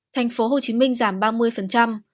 thành phố hồ chí minh giảm ba mươi đồng nai giảm năm mươi